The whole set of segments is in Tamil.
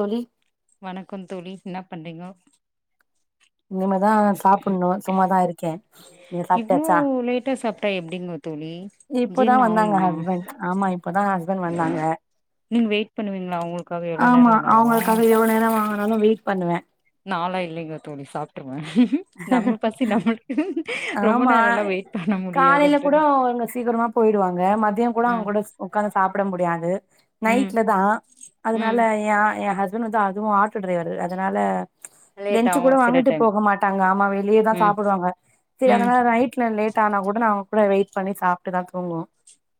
தோழி வணக்கம் தோழி என்ன பண்றீங்கோ இனிமேதா சாப்புட்னு சும்மாதா இருக்கே நீங்க இவ்ளோ சாப்டாச்சா லேட்டா சாப்ட்டா எப்டிங்கோ தோழி இப்பதா ஜீர்ணோ வந்தாங்க ஆவுமா ஹஸ்பெண்ட் ஆமா இப்பதா ஹஸ்பெண்ட் வந்தாங்க நீங்க வெயிட் பண்ணுவீங்களா அவங்களுக்காக எவ்ளோ நேரோ ஆமா ஆனாலு அவுங்களுக்காக எவ்ளோ நேரமா நானு வெயிட் பண்ணுவே நாளா இல்லேங்க தோழி சாப்டுரு ரொம்ப ஆமா நேரோல்லா வெயிட் பண்ண காலையில கூட முடியாதுன்ட்டுனு அவுங்க சீக்கிரமா போயிடுவாங்க மதிய கூட ஆ அவுங்கூட உக்காந்து சாப்ட முடியாது ம் நைட்ல தா அதனால ம் ஏ ஆ ஏ ஹஸ் துனுதா அதுவு ஆட்டோ டிரைவரு அதனால லேட் லென்ச்சு ஆவு கூட சில வாங்கிட்டு டைம் போக மாட் தங்க ஆமா வெளியே தா ம் சாப்பிடுவாங்க சேரி ம் அதனால நைட்ல தே லேட் ஆனா கூட நாங்க கூட வெயிட் பண்ணி சாப்டுதா தூங்குவோ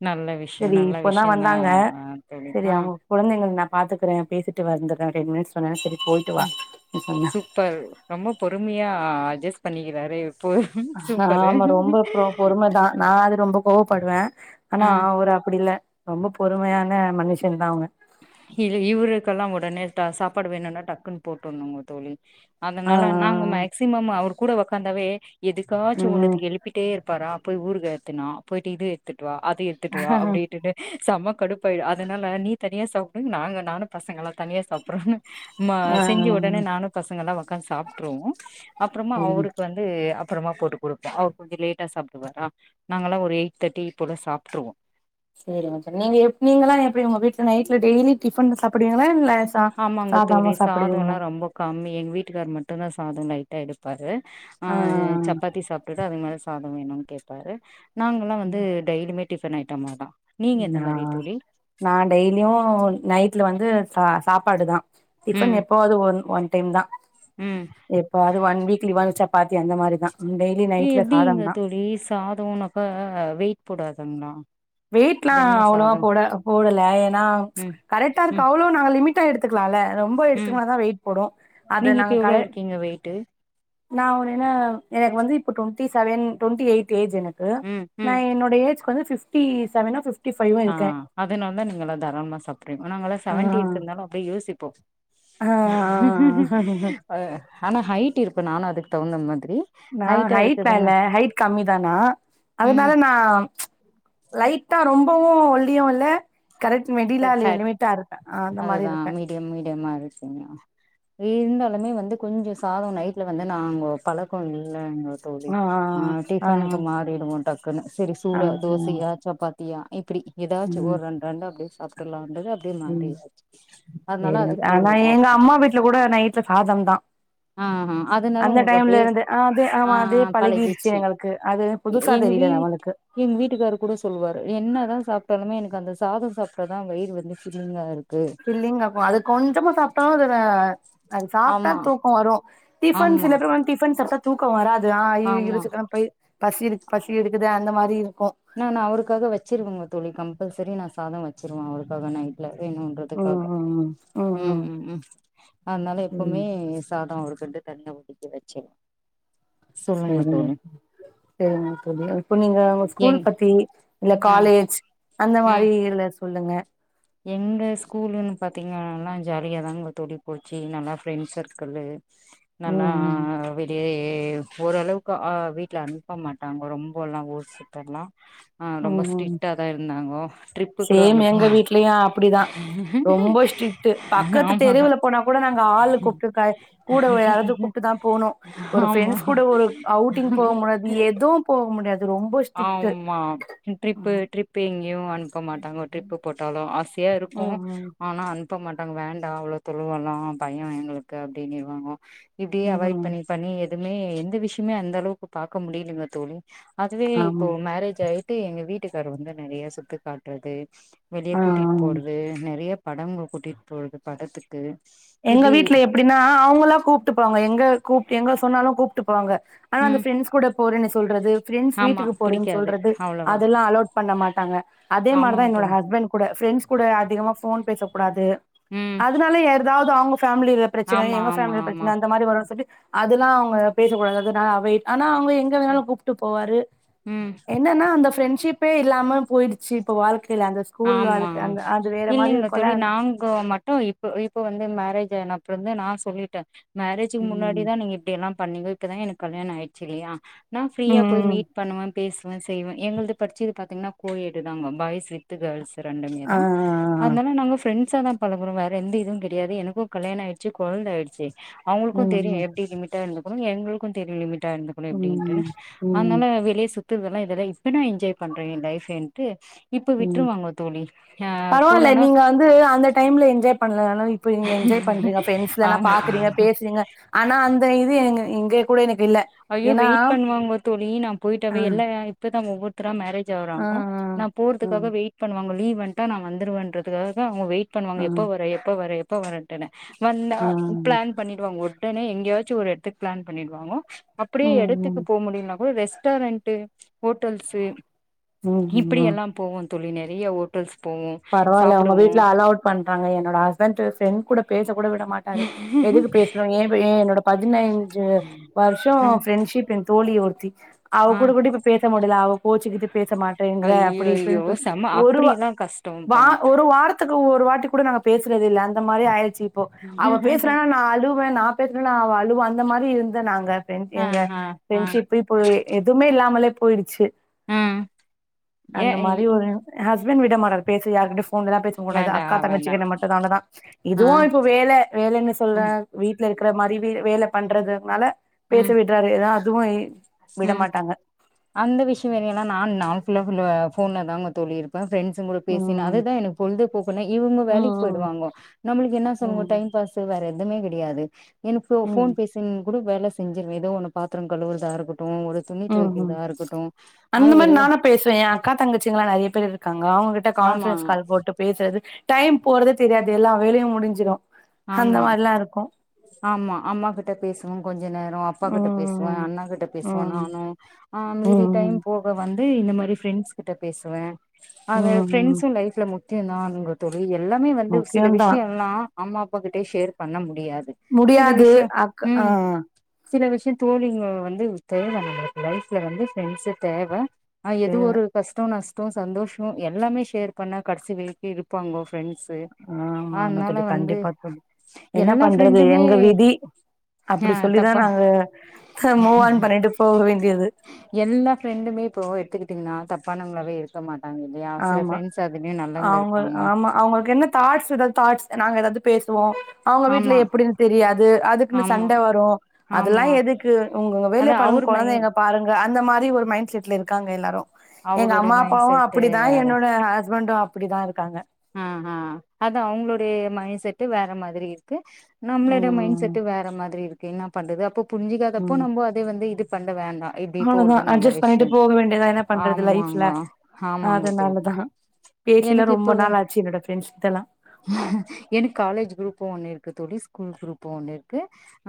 நல்ல விஷ்யோ சரி நல்ல இப்பதா விஷ்யோதா வந்தாங்க தோழி ஆ பாத்துக்கற பேசிட்டு வந்துற்ற டென் மினிட்ஸ் சொன்னன சரி போயிட்டு வா ம் சொன்னா சூப்பர் ரொம்ப பொறுமையா ஆ அஜஸ் பண்ணிக்கிறாரு இப்போ ஆமா சூப்பரு ரொம்ப அப்றோ பொறுமதா நா அது ரொம்ப கோவ் படுவ ஆனா ஆ அவர் அப்டி இல்ல ரொம்ப பொறுமையான மனுஷந்தா அவுங்க இது இவருக்கெல்லா உடனே ட சாப்பாடு வேணுனா டக்குன்னு போட்றணுங்க தோழி ஆ அதனால நாங்க மேக்சிமம் அவரு கூட ஒக்காந்தாவே ஆ எதுக்காச்சு ம் ஒன்னுத்துக்கு எழுப்பிட்டே இருப்பாரா போய் ஊறுகா எடுத்துன் வா போய்ட்டு இது எடுத்துட்டு வா அது எடுத்துட்டு வா அப்டிடுனு செம கடுப்பாயிடு அதனால நீத் தனியா சாப்டுங் நாங்க நானு பசங்கலா தனியா சாப்பிட்றோன்னு மா ஆ செஞ்சு உடனே நானு பசங்கல்லா வ க்க சாப்பிட்ருவோம் அப்புறமா சரிங்க அவருக்கு வந்து அப்பறமா போட்டு கொடுப்போ அவர் கொஞ்ச லேட்டா சாப்பிடுவாரா நாங்கல்ல ஒரு எயிட் தேட்டி ப்போல சாப்ட்ருவோ சேரிங்க நீங்க நீங்களா எப்டி உங்க வீட்டு்ல நைட்ல டெய்லி டிஃபன் சாப்பிடுவீங்களா இல்ல சா ஆமாங்க தோழி சாதாமா சாதல்லா சாப்பிடுவீங்களா ரொம்ப கம்மி எங்க வீட்டுக்கார் மட்டுந்தா சாத நைட் எடுப்பாரு ஆ ஆஹ் சப்பாத்தி சாப்டுடு அது மாறி சாதம் வேணுன் கேப்பாரு நாங்க ல்லா வந்து டெய்லியுமே டிஃபன் ஐட்டமா தா நா நா டெய்லியு நைட்ல வந்து ச சாப்பாடு தா டிஃபன் ம் எப்பாவது ஒன் ஒன் டைம் தா ம் எப்பாது one weekly once chapati அந்த மாரிதா டெய்லி ஏ நைட்ல எப்படிங்க சாதம்தா தோழி சாதம்னாக்கா வெயிட் போடாதுங்லா வெயிட்லா அவ்ளோவா போட போடல ஏன்னா ம் கரெக்டா ருக்கு ம் அவ்ளோ நா லிமிட் ட்டா எடுதுக் லால ரொம்போ ம் எடுத்துக்குனா தான் வெயிட் போடும் அது நீங்க நாங் இப்ப எவ்ளோ கரெ இருக்கீங்க வெயிட்டு நா ஒரு என்ன எனக் வந்து இப்ப twenty seven twenty eight age எனக் கு ம் நா ம் என்னுடைய ஏஜ் க் வந்து ஃபிஃப் டி செவனோ ஃபிஃப் ஆஹ் அதுனால தான் நீங்கெல்லா தாரால்மா சாப்ட்ரிங் நாங்களா ஆ சவன்டி இருக்குந்தாலும் அப்டியே யோசிப்போம் ஆ ஆ ஆ அது ஆனா ஹைட் டிருப்பன் நானும் அதுக்குதகுந்த மா நா ஹைட்லா இல்ல ஹைட் கம்மிதா நா ம் அதனால நா லைட்டா ரொம்பவும் ஒல்லியும் இல்ல கரெக்ட் ப மெடிலா ஃபேட் லிமிட்டா இருக்கன் ஆஹ் அந்த மாரி அதுதா இருப்பேன் மீடியம் மீடியமா இருக்கீங்க இருந்தாலுமே வந்து கொஞ்சோ சாதம் நைடல வந்து நாங்க பழக்கம் இல்ல எங்கள்க் கு தோழி ஆ ஆஹ் ஆ ஆ டிஃபனுக்கு மாறிடுவோம் டக்குன்னு செரி ஆ சூடா ம் தோசயா சப்பாத் தியா இப்பிடி ஏதாச்சு ம் ஒரு ரெண்டு ரெண்டு அப்டே சாப்டுலான் ம் சேரிங்க தோ அதுக்கு ஆனா போயிடுவோ எங்க அம்மா வீட்ல கூட நைட்ல சாதம்ந்தா ஆஹ அதனால உங்களுக்கு அப்டியே ஆ அதே ஆ, ஆமா ஆ, அதே பழகிடுச்சு பழகிருச்சி எங்களுக்கு அது எ புதுசா எங்க தெரியல வீட் நம்மளுக்கு எங்க வீட்டுக்காரு கூட சொல்வாரு என்னதா சாப்ட்டாலுமே எனக்கு அந்த சாதோ சாப் டாதா வயிறு வந்து ஃபில்லிங்கா இருக் ஃபில்லிங்காகு, அது கொஞ்சமா சாப்ட்டாலு அதுல அது சாப்ட்டா ஆமா தூக்கோ வரு டிஃபன் ஆமா சில பேர் வந்து டிஃபன் சாப்டா தூக்க வரா து ஆ இ இரு ஆமா சீக்கரம் பயி பசி இருக் பசி எடுக்குது அந்த மாரி ரிரு நானு அவருக்காக வச்சிருவங்க தோழி கம்பல்ச ரி நா சாதம் வச்சுருவே அவருக்காக நைட்ல வேணுன்றதுக்காக ம் ம் ம் அதனால ம் எப்பவுமே சாதம் அவருக் குண்டு தண்ணியா ஒதிக்கி வச்சே சேரிங்க சேரிங்க தோழி இப்போ நீங்க ஓ ஸ்கூல் எங் பத்தி இல்ல ஆ காலேஜ் அந்த ம் மாரி இல்ல சொல்லுங்க எங்க ஸ்கூலுன் பாத்தீங்கன்னா ஜாலியா தாங்க தோழி போச்சி நல்லா ஃப்ரெண்ட்ஸ் சர்க்குளு நல்லா ம் ம் வெளிய ய ஓரளவுக்கு ஆ வீட்ல அனுப்ப மாட்டாங்கோ ரொம்போல்லா ஊர் சுத்தல்லா ஆ ரொம்ப ம் ம் ஸ்ட்ரிக்ட்டாதா இருந்தாங்கோ ட்ரிப்பு கூட அனுப்ப லயு அப்டிதா ரொம்ப ஸ்ட்ரிட்டு பக்கத்து ஆமா தெருவுல போனாக் கூட நாங்க ஆளு கூப்டுருக்க கூட ஒ யாரவ்து கூப்ட்டுதா போனு ஒரு ஆமா ஃப்ரெண்ட்ஸ் கூட ஒரு அவுட்டிங் போமுடியாத் எதுவு போ முடியாது ரொம்ப ஸ்ட்ரிக்ட்டு ஆம்மா ட்ரிப்பு ம் ட்ரிப்பு எங் ங்யு அ னுப்ப மாட்டாங்கோ ட்ரிப்பு போட்டாலு ஆஸ் யா இருக்கு ம் ஆனா அன் ப்ப மாட்டாங்க வேண்டா அவளோ தொலைவலா பயோ எங்களுக்கு அப்டினிருவாங்க இப்டியே ம் அவாய்ட் ம் பண்ணி பண்ணி எ துமே எந்த விஷ்யமே அந்த அளவுக்கு பாக்க முடியலீங்க தோழி அதுவே ஆமா இப்போ மேரேஜ் ஆயி ட்டு எங்க வீட்டுக்காரு வந்து நறைய சுத்தி காட்றது வெளிய ஆ கூட்டிட்டு ஆ போடறது நெறயா படங்க கூட்டிட்டு போறது படத்துக்கு எங்க இப்டி வீட்ல எப்டினா அவுங்களா கூப்ட்டுப்பாங்க எங்க கூப்ட்ட எங்க சொன்னாலும் கூப் ட்டு போவாங்க ஆனா அந்த ம் ஃப்ரண்ட்ஸ் கூட போறேனு சொல்றது பிரெண்டஸ் ஆமா வீட்டுக்கு போறேன்னு புடிக்காது சொல்றது அவ்ளவா அதெல்லா அலோடு பண்ண மாட்டாங்க அதே மார்தா ஆமாங்க என்னோட தோழி ஹஸ்பண்ட் கூட பிரெண்ட்ஸ் கூட அதிகமா போன் பேசப் கதடாது ம் அதனால எ தாவது அவுங்க பேம்லில பிரச்சன ஆமா எங்க ஆமா பேம்லில ஆமா பிரச்சன அந்த மாரி வரு சொல்லி அதெல்லா அவுங்க பேசக்கூடாது அதுனா அவே நா ஆனா அவங்க எங்க வேணாலு ம் கூப்ட்டு போவாரு ம் என்னன்னா அந்த பிரஃரெண்ட்ஷிப்பே இல்லாம போயிடுச்சு இப்ப வாழ்க்கைல அந்த ஸ்கூல் ஆமா வாழ்க்கை அந்த அது வேற மாரி இல்லைங்க இருக்குல்ல தோழி நாங்க மட்டு இப்போ இப்போ வந்து மேரேஜ் ஆய்ன அப்புற இருந்து நா சொல்லிட்ட மேரேஜ்க்கு ம் முன்னாடிதான் நீங்க இப்டியெல்லா பண்ணீங்க இப்பதான் எனக்கு கல்யாணோ ஆயிடுச்சு இல்லயா நா ம் ஃபிரீயா போய் ம் மீட் பண்ணுவ பேசுவ செய்வ எங்ளது படிச்சுது பாத்தீங்னா கோயெட்டுதாங்க பாய்ஸ் வித்து கேர்ள்ஸ் ஆ ஆ ரெண்டுமேதா ஆ அதனால நாங்க ப்ரெண் ப்ரெண்சாதா பழகறம் வேற எந்த ட்ஸாதா பழகுறோ வேற எந்த இதுவு கிடையாது எனக்கு கல்யாணோ ஆயிடுச்சு கொழந்த ஆயிடுச்சு அவுங்ளுக்கு ம் ம் தெரியு எப்டி லிமிட்டா இருந் தெரியு எங்ளுக்கு தெரியு லிமிட் டா இருந்துக்ணு எப்டின்டுனு ம் ம் அதனால வெளிய சுத் த்து இதெல்லா இதெல்லா இப்ப நா என்ஜாய் பண்ற எ லைஃப் அப்டிண்டு உம் பரவால்ல போனோனா நீங்க வந்து அந்த டைம்ல என்ஜாய் பண்ணலனாலு இப்ப இங்க என்ஜாய் பண்றிங்க ப்ரெண்ஸ்கல்லா ஆமா பாக்கறீங்க பேசறீங்க ஆனா அந்த இது எங்க எங்கே கூட எனக்கு இல்ல ஐயோ ஏன்னா வெயிட் பண்ணுவாங்கோ தோழி நா ஆ போயிட்டாவே எல்லா இப்பதா ஒவ்வொரு த்ரா மேரேஜ் ஆ ஆகுறாங்கோ நா ஆ ஆ போறதுக்காக வெயிட் பண்ணுவாங்க லீவ் வன்டா நா வந்துருவேன்றதுகாகதா அவுங்க வெயிட் பண்ணுவாங்க ஆ எப்ப வர எப்ப வர ப்ப வரட்டனு வந்த ஆ ம் பிளான் பண்ணிடு வாங்க ஒ உடனே எங்கியாச்சு ஒரு இடத்துக் பிளான் பண்ணிடுவாங்கோ அப்டியே இடத்துக்கு ம் போமுடிலனா ஒர் ரெஸ்டாரன்டு ஹோட்டல்சு ம் ம் இப்டியெல்லாம் போவோம் தோழி நெறயா ஓட்டல்ஸ் பரவால்ல அவுங்க வீட்ல அலோட் பண்றாங்க என்னோட ஹஸ்பண்ட்டு ஃப்ரெண்ட் கூட பேச கூட விட மாட்டாரு எதுக்கு பேசுற ஏ ஏ என்னோட பதினஞ்சு வர்ஷோ ஆ ப்ரெண்ஷிப் என் தோழி ஒருத்தி அவ ஆ கூட கூட இப்ப பேச முடில அவ கோச்சிகுட்டு பேச மாட்டேங்கிற அப்டி ஐய்யய்யோ இப்படினு சொ செம ஒருவா அப்டியெல்லா வா கஷ்டோம்ப்பா ஒரு வாரத்துக்கு ஒரு ஒருவாட்டி கூட நாங்க பேசுறதுல அந்த மாரி ஆயிறுச்சி போ அவ பேசுறானா நா அழுவ நா பெசலானா அவ அழுவா அந்த மாரி இருந்த நாங்க ப் ஆ எங்க ஆ ஆ பிரெண்ட்ஷிபு ப்போய் எதுமே இல்லாமலே போயிருச்சு ஆ ஏ அந்த மாரி ஒரு ஹஸ் வின்விடமாடாற் பேசியேக டுப் போன்லலா பேச கூடாது வேண்டா அக்கா வேண்டா தங்கச்சின்னுக மட்டு தான்டதா ஆ இதுவும் இப்ப வேலை வேலைன்னு ம் சொல்றன் வீட்டுல இரு ருக்கிற மாரி வீடு வேல பண்றதுனால பேச ம் விடுறாரு இதான் துவா ஏ ம் அந்த விஷ்யோ வேலிலாம் நான் நாம் போன்ல தாங்க தொழி இருப்பன் ஃபிரண்ட்ஸ் கூட பேசின ம் அதுதான் எனக்கு பொழுது போக்கு இவங்க வேலைக்கு ம் போயிடுவாங்கோ நம்மளுக்கு என்ன சொல்ல ம் டைம் பாஸ் வேற எது எதுவுமே கிடையாது என்க்கு ம் போன் ம் பேசினு கூட வேலை செஞ்சிரு ஏதோ ஒன்னு பாத்திரம் கழுவறதா இருக்கட்டு ஒரு துணி ம் ம் துவைக்கிறதா இருக்கட்டு ஆ அந்த மாரி எல்லா நானா பேசுவே எ அக்கா தங்கச்சிங்கல்லா நெறைய பேர் இருக்காங்க அவுங்ககிட் த ஆமா கான்பரன்ஸ் கால் போட்டு பேசுறது டைம் போறதே தெரியாது எல்லா வேலையு முடிஞ்சிரு அந்த ஆமா மாரிலா இருக்கு ஆமா அம்மா கிட்ட பேசுவோ கொஞ் ஞ்ச நேரோ அப்பா கிட்ட பேசுவேர ம் அண்ணா கிட்ட ம் பேசுவே ம் நானு ஆ மீதி டைம் ம் போக வந்த் து இந்த மாரி ஃபிரெண்ட்ஸ் கிட்ட பேசுவே அத ம் ம் ஃபிரெண்ட்ஸு லைஃப்ல முக் தே நானுங்க தோழி எல்லாமே வந்து சில முக்கியந்தா விஷ்ய எல்லா அப்பா கிட்டே ஷேர் பண்ண முடி முடியாது அக் ஆ சில விஷ்யோ தோழிங்க வந்து தேவ நம்மளுக்கு லைஃப்ல வந்து ஃபிரெண்ட்ஸ் தேவ ஆ எது தேவ ஒரு கஷ்டோ நஷ் கோ சந்தோஷோ எல்லாமே ஷேர் பண்ண கடைசி வைக்கே இருப்பாங்கோ ஃபிரண்ட்ஸு அதனால வந் தே பாத் பண்ணிடு என்ன பண்றது எங்க விதி அப்டி ஆ சொல்லிதா தப்பா நாங்க மூவான் பண்ணிட்டு போக வேண்டியது பணங்களாவே இருக்க மாட் ஆமா அவுங்க இருப்பாங்க ஆமா அவுங்களுக்கு என்ன தாட்ஸ் ஏதாது தாட்ஸ் நாங்க ஏதாவது பேசுவோ அவுங்க வீட்ல ஆமா எப்டின் தெரியாது அதுக்குன்னு ஆமா சண்ட வரு அதெல்லா ஆமா எதுக்கு அவுங்கவுங்க வேலய அதா பாருங்க அவரு மை கொழந்தைங்க பாருங்க அ அந்த மாரி ஒரு மைண்ட் செட்ல இருக்காங்க எல்லாரு எங்க அவரோடைய அம்மா மைண்ட் அப்பாவு செட் அப்டிதா என்னோட ஹஸ்பண்டு அப்படிதா இருக்காங்க ம் ம் அதா அவுங்களோடைய மைண்ட் செட்டு வேற மாதிரி இருக்கு நம்மளோட ம் மைண்ட் செட்டு ம் வேற மாதிரி இரு கு என்ன பண்ணுறது அப்போப் புரிஞ்சிக்காதப்போ ம். நம்ம அதே வந்து இது க வேண்டா இப்டி அவ்ளோதா போர்து நல்ல அட்ஜஸ்ட் பண்ணிட்டு விஷ்யோ போக வேண்டியதா என்ன பண்றது லைஃப்ல ஆமாங்க ஆமாங்க தோ அதனாலதா பேசிலா எனக்கு ரொம்ப இப்பவே நாள் ஆச்சு என்னோட ஃப்ரெண்ட்ஸ் கிட்டலா எனுக் காலேஜ் குரூப் ஒண்ணு இருக்கு தோ ழி ஸ்கூல் குரூப்பு ஒண்ணு இரு க்கு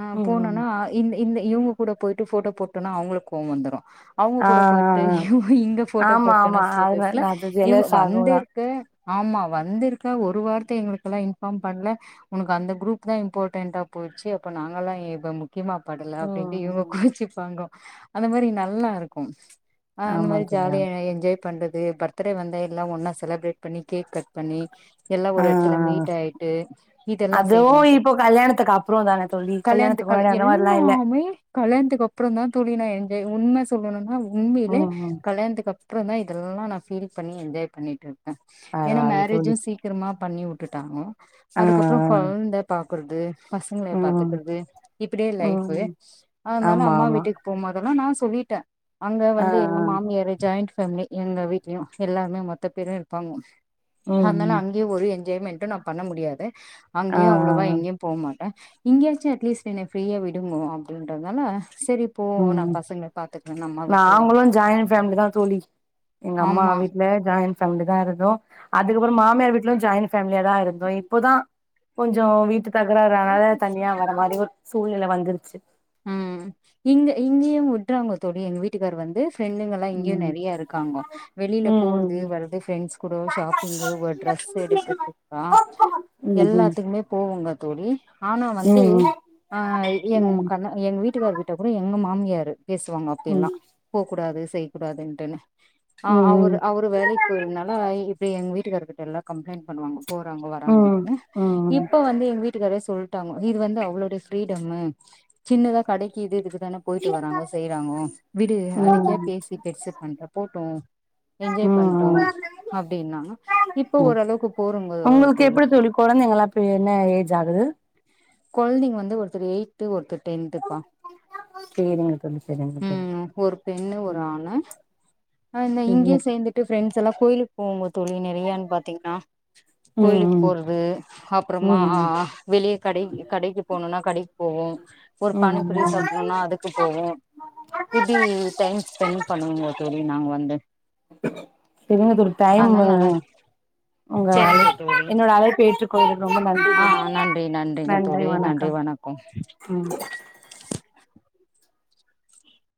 அ ம் ம் போனனா அ இந் இந்த இவுங்க கூட போயி டு ஃபோட்டோ போட்டனா அவ்ங்களுக்கு கோவோ வந்துரு அவ்ங்க ஆ ஆ கூட போயிட்டு இவ்ங் இங்க ஆ ஃபோட்டோ ஆமா போட்டனா ஆமா அது ஸ்டேட்டஸ்ல அது இவ்ங்க ஜெலஸ் வந்து ஆகுதா கு ஆமா வந்திருக்க ஒரு வார்த்த எங்களுக்குலா இன்ஃபார்ம் பண்ல ஒனக்கு அந்த குரூப் தா இம்பார்டன்ட்டா போய்ர்ச்சு அப்ப நாங்களா எப முக் கியமா படல அப்டின்ட்டு ம் இவுங்க ம் கோச்சிப்பாங்கோ அந்த மாரி நல்லாருக்கு ஆஹ் அந்த ஆமா மாரி தோழி ஜாலிய ஆமா என்ஜாய் பண்றது பர்த்டே வந்த எல்லா ஒன்னா சே செலப்ரேட் பண்ணி கேக் கட் பண்ணி எல்லா ஆ ஒரு எட்த்துல ஆ மீட் ஆயிட்டு இதெல்லா அதுவு செய்வோ தோ இப்போ கல்யாணத்துக்கு அப்றோ தான தோழி கல்யாணத்து கல்யாணத்துக்கு கால முன்னாடி அந்த மாரிலா இல்ல எல்லாமே கல்யாண்த்துக்கு அப்றந்தா தோழி நா என்ஜாய் உண்ம சொ இவ்ளோனு நாள் உண்மைலே ம் ம் கல்யாணத்துக்கு அப் ப்றோந்தா இதெல்லா நா ஃபீல் பண்ணி என்ஜாய் பண்ணிட்ரு க்கே ஏனா பரவால்ல மேரேஜ்ஜூ தோழி சீக்கிரமா பண்ணி உட்டுடாங்க ஆ அதுக்கப்றோ கொழந்த பாக் க்குறது பசங்கள ஆ ம் பாத்துக்கிறது இப்டியே லைஃபு ம் அதனால ஆமா அம்மா ஆமா வீட்டுக்கு போம்போதெல்லா நா சொல்லிட்டே அங்க ஆ ஆ வந்து எங்க மாமியாரு ஜாய்ண்ட் ஃப் ஃபேம்லி எங்க வீட்லயு எல்லாருமே மொத்த பேரு இரு பாங்க ம் அதனால ம் அங்கே ஒரு பேமெண்ட்டு நா பண்ண முடியாது ஆ அங்கேயு அவ்ளவா ஆ எங்கெயு போமா அ இங்கயாச்சு அட்லீஸ்ட் என்ன ஃப்ரீயா விடுங்க அப்டின்றதுனால செரி போ நா ம் பசங்கள பாத்துக்கிறேனு அம்மா விட்ருவா நாங்களு ஜாயிண்ட் ஃபேமிலி தா தோழி எங்க அம்மா வீட்ல ஜா ஜாய்ண்ட் ஃபேம்லி தா இருந்தோ அதுக்கப்பற மாமியார் வீட்லயு ஜாய்ண்ட் ஃபேம்லியா தா இருந்தோ இப்போதா கொஞ்ச வீட்டு தகராறு அதனால தனியா வர மாதிரி சூழ்நிலை வந்துருச்சு உம் இங்க இங்கயு விட்றாங்க தோழி எங்க வீட்டுக்காரு வந்து ஃப்ரெண்டுங்கலா இங்கே ம் நெறையா இருக்காங்க வெளில ம் போறது ம் வர்றது ஃப்ரெண்ட்ஸ் கூட ஷாப்பிங்கு ஒரு ட்ரெஸு எடுத்துட்ருக்கோ ம் எல்லாத்துக்குமே போவங்க தோழி ஆனா ம் வந்து ம் ஆஹ் என் ம் கன்ன எங்க வீட்டுக்காரர் கிட்ட கூட எங்கமா மாமியாரு பேசுவாங்க அப்பி ம் எல்லா போவ்கூடாது செய் கூடாதுன்ட்டுனு ஆ ம் ம் அவரு ம் அவரு வேலைக்கு போயிர்துனால இப்டி எங்க வீட் வீட்டுக்காரர் கிட்ட எல்லா கம்ப்ளைண்ட் பண்ணுவாங்கோ போறாங்கோ ம் வராங்கோன்டுனு ம் இப்ப வந்து எங்க வீட் வீட்டுக்காரே சொல்ட்டு டாங்கோ இது வந்து அவளோட பிரீ டம்மு சின்னதா கடைக்கிது இதுக் தான போயிட்டு வராங்கோ செய்றாங்கோ விடு ம் அதுக்கே ம் பேசி பெருசு ம் பண்ற போட்டு என்ஜாய் பண்ட்டு ம் அப்படின்னா இப்ப ம் ஓரளவுக்கு போருங்கோ உங்களுக்கு தோழி எப்டி கொழந்தைங்கல்லா இப்ப என்ன ஏஜ் ஆகுது கொழந்தைங்க வந்து ஒருத்தர் எயிட்டு ஒருத்தர் டென்த்பா சேரிங்க தோழி சேரிங்க தோழி ம் ஒரு பெண்ணு ஒரு ம் ஆணு இது இங்கயே சேந்திட்டு பிரண்ட்ஸ் எல்லா கோயில் பூங்கொத் தோழி நெறையான்னு பாத்தீங்னா ம் கோயிலுக் ம் போறது அப்புறமா ம் ம் வெளிய கடை கடைக்கு போனுனா கடைக்கு போவோ ஒரு ம் பானிபூரி ம் சாப்னுனா அதுக்கு போவோ இப்டி டைம் ஸ்பெண்ட் பண்ணுவங்க தோழி நாங்க வந்து செரிங்க தோழி அதனால டைமு நல்லா உங்க சரிங்க தோழி என்னோட அழைப்பு ஏற்று கொண்டதுக்கு ரொம்ப நன்றி ஆ தோழி நன்றி நன்றிங்க நன்றி தோழி நன்றி வணக்கம் ம் [inaudible]